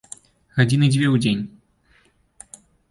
Гадзіны дзве ў дзень.